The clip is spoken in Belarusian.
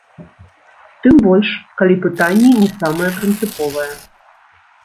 Тым больш, калі пытанне не самае прынцыповае.